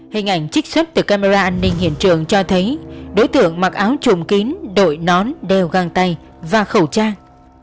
hình ảnh trích xuất từ camera an ninh hiện trường cho thấy đối tượng mặc áo chùm kín đội nón đều găng tay và khẩu trang